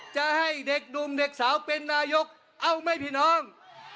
จะให้เด็กหนุ่มเด็กสาวเป็นนายกเอาไหมพี่น้อง